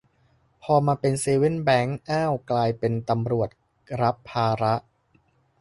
พอมาเป็นเซเว่นแบงก์ อ้าว กลายเป็นตำรวจรับภาระ